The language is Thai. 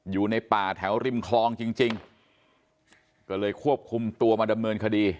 อยู่ในป่าแถวริมคลองจริงจริงก็เลยควบคุมตัวมาดำเนินคดี